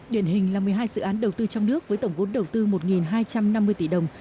điển hình là một mươi hai dự án đầu tư trong nước với tổng vốn đầu tư một hai trăm năm mươi tỷ đồng